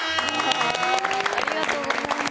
ありがとうございます。